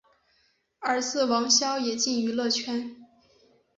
儿子王骁也进军娱乐圈。